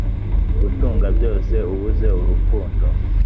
gutunga byose ubuze urukundo